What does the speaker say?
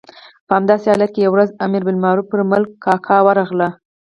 په همداسې حالت کې یوه ورځ امر بالمعروف پر ملک کاکا ورغلل.